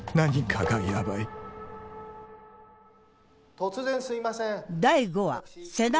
・突然すいません。